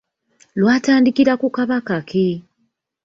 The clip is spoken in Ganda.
Lwatandikira ku Kabaka ki?